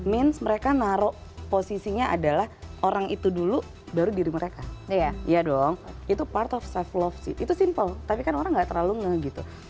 means mereka naruh posisinya adalah orang itu dulu baru diri mereka iya dong itu part of self love sih itu simple tapi kan orang nggak terlalu nge gitu